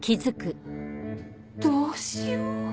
どうしよう？